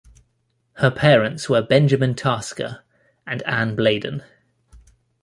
Her parents were Benjamin Tasker and Ann Bladen.